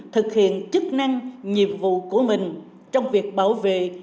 thực hiện chức năng nhiệm vụ của mình trong việc bảo vệ chủ quyền quyền chủ quyền